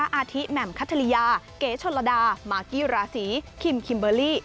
อาทิแหม่มคัทริยาเก๋ชนระดามากกี้ราศีคิมคิมเบอร์รี่